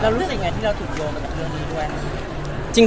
แล้วรู้สึกยังไงที่เราถูกโยงกับเรื่องนี้ด้วย